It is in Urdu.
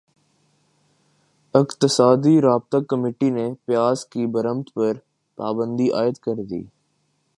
اقتصادی رابطہ کمیٹی نے پیاز کی برمد پر پابندی عائد کردی